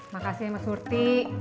makasih mas hurti